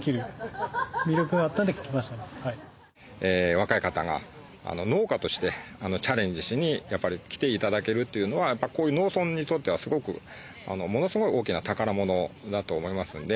若い方が農家としてチャレンジしにやっぱり来て頂けるっていうのはこういう農村にとってはすごくものすごい大きな宝物だと思いますので。